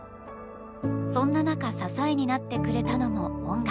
そんな中支えになってくれたのも音楽。